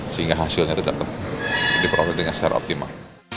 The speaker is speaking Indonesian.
sehingga hasilnya itu dapat diperoleh dengan secara optimal